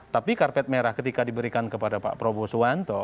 tapi karpet merah ketika diberikan kepada pak prabowo suwanto